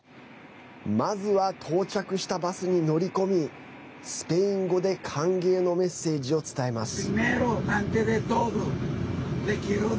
まずは到着したバスに乗り込みスペイン語で歓迎のメッセージを伝えます。